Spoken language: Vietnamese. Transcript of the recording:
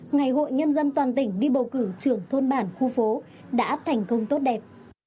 ngày hội nhân dân toàn tỉnh đi bầu cử trưởng thôn bản khu phố đã thành công tốt đẹp